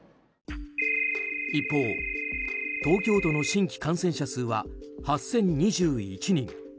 一方、東京都の新規感染者数は８０２１人。